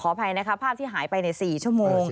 อภัยนะคะภาพที่หายไปใน๔ชั่วโมง